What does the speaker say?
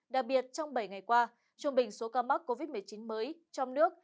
đặc biệt trong bảy ngày qua trung bình số ca mắc covid một mươi chín mới trong nước